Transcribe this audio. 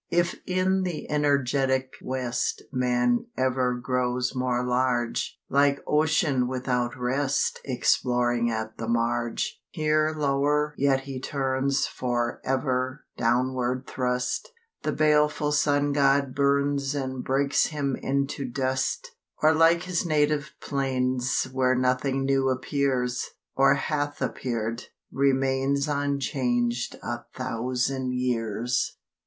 If in the energic West Man ever grows more large, Like ocean without rest Exploring at the marge, Here lower yet he turns For ever downward thrust— The baleful Sun God burns And breaks him into dust; Or like his native plains Where nothing new appears, Or hath appeared, remains Unchanged a thousand years.